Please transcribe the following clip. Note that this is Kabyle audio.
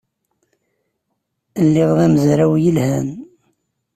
Lliɣ d amezraw yelhan.